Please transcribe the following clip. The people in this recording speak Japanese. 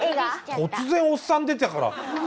突然おっさん出たから。